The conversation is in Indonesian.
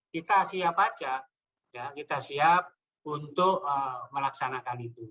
kita siap aja kita siap untuk melaksanakan itu